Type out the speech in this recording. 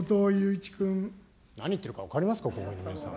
何言ってるか分かりますか、国民の皆さん。